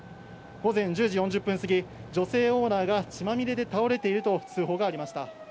午前１０時４０分過ぎ、女性オーナーが血まみれで倒れていると、通報がありました。